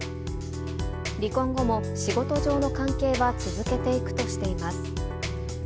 離婚後も仕事上の関係は続けていくとしています。